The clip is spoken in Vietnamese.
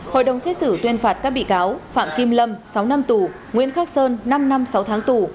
hội đồng xét xử tuyên phạt các bị cáo phạm kim lâm sáu năm tù nguyễn khắc sơn năm năm sáu tháng tù